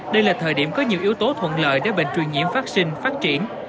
đây là thời điểm có nhiều yếu tố thuận lợi để bệnh truyền nhiễm vaccine phát triển